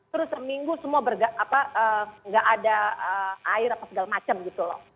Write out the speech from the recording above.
terus seminggu semua nggak ada air apa segala macam gitu loh